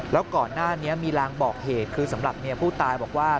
แล้วก่อนหน้านี้มีรางบอกเหตุคือสำหรับเมียผู้ตายบอกว่า